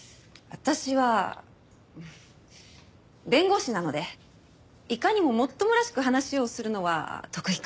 私は弁護士なのでいかにももっともらしく話をするのは得意かも。